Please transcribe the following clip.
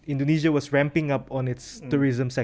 indonesia sedang mengembangkan sektor turisme